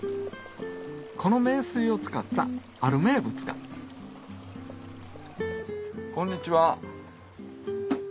この名水を使ったある名物がこんにちは。